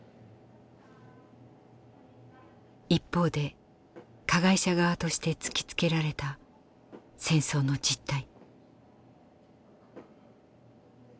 一方で加害者側として突きつけられた戦争の実態。